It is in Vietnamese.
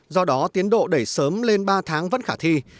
do đó tiến độ đẩy sớm lên ba tháng vẫn khả thi